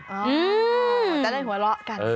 จะได้หัวเราะกัน